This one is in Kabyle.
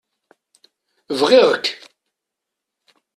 Bɣiɣ-k.